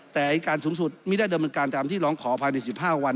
แต่อายการสูงสุดไม่ได้ดำเนินการตามที่ร้องขอภายใน๑๕วัน